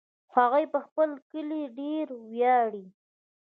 هغوی په خپل کلي ډېر ویاړي